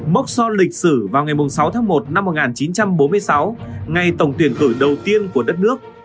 mốc son lịch sử vào ngày sáu tháng một năm một nghìn chín trăm bốn mươi sáu ngày tổng tuyển cử đầu tiên của đất nước